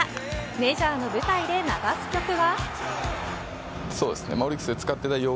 メジャーの舞台で流す曲は。